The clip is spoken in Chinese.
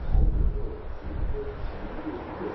汉字部件。